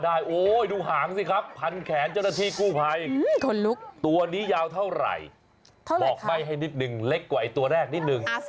ไอจรฐีกู้ภัยคนลุกตัวนี้ยาวเท่าไหร่เห็นในแบบนึงเล็กว่าไอ้ตัวแรกนิดนึง